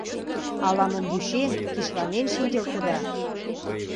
Ала-мом вучен, кишланен шинчылтыда!